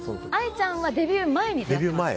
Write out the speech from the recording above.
ＡＩちゃんはデビュー前でした。